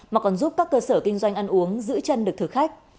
mà còn giúp các cơ sở kinh doanh ăn uống giữ chân được thực khách